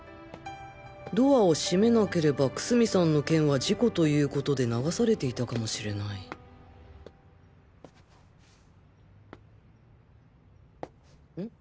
ドアを閉めなければ楠見さんの件は事故ということで流されていたかもしれないん？